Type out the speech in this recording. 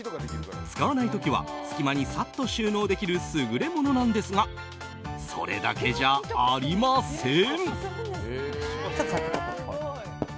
使わない時は隙間にさっと収納できる優れものなんですがそれだけじゃありません。